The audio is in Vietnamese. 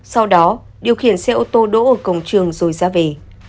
sau đó điều khiển xe ô tô đỗ ở cổng trường rồi ra về